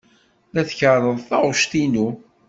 La tkerreḍ taɣect-inu.